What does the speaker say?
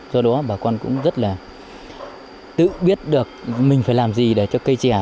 do đó bà con cũng rất là tự biết được mình phải làm gì để cho cây trè